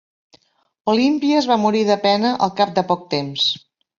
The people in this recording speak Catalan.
Olímpies va morir de pena al cap de poc temps.